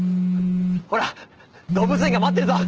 ほら動物園が待ってるぞ。